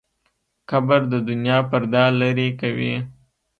قبر د دنیا پرده لرې کوي.